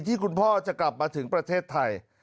ที่คุณพ่อจะกลับมาถึงประเทศไทย